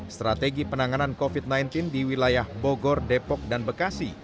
strategi penanganan covid sembilan belas di wilayah bogor depok dan bekasi